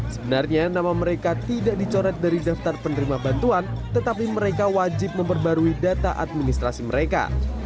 sebenarnya nama mereka tidak dicoret dari daftar penerima bantuan tetapi mereka wajib memperbarui data administrasi mereka